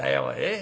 え？